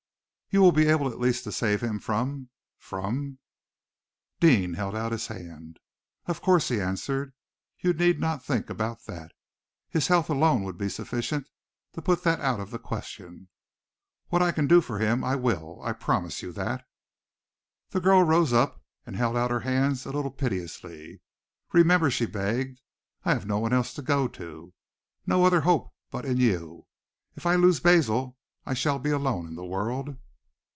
"You will be able at least to save him from from " Deane held out his hand. "Of course," he answered. "You need not think about that. His health alone would be sufficient to put that out of the question. What I can do for him, I will. I promise you that." The girl rose up, and held out her hands a little piteously. "Remember," she begged, "I have no one else to go to, no other hope but in you. If I lose Basil, I shall be alone in the world!"